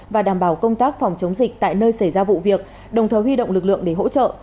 và đảm bảo công tác phòng chống dịch tại nơi xảy ra vụ việc đồng thời huy động lực lượng để hỗ trợ